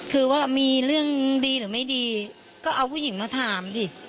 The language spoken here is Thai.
คือว่ามีเรื่องดีหรือไม่ดีก็เอาผู้หญิงมาถามดิ